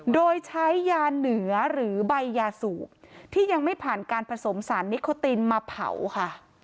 โดยใช้ยาเหนือหรือใบยาสูบที่ยังไม่ผ่านการผสมสารนิโคตินมาเผาค่ะ